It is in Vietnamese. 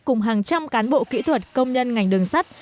cùng hàng trăm cán bộ kỹ thuật công nhân ngành đường sắt